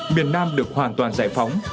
miền nam được hoàn toàn giải phóng